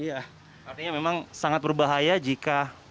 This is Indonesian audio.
iya artinya memang sangat berbahaya jika